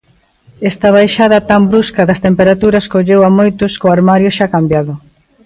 Esta baixada tan brusca das temperaturas colleu a moitos co armario xa cambiado.